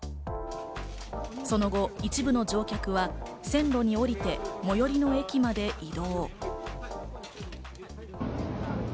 その後、一部の乗客は線路に降りて、最寄の駅まで移動。